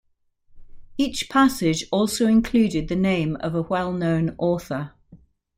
Each passage also included the name of a well-known author.